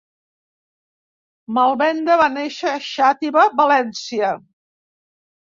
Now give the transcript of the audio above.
Malvenda va néixer a Xàtiva, València.